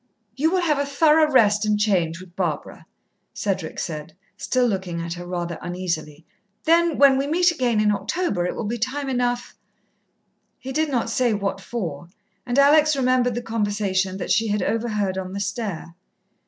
"You will have a thorough rest and change with Barbara," Cedric said, still looking at her rather uneasily. "Then, when we meet again in October, it will be time enough " He did not say what for, and Alex remembered the conversation that she had overheard on the stair.